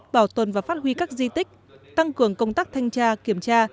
bảo tồn và phát huy các di tích tăng cường công tác thanh tra kiểm tra